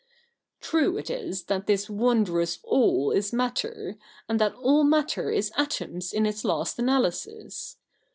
True it is that this v;ondrous All is Matter, and that all matter is atoms in its last analysis.